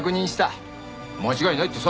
間違いないってさ。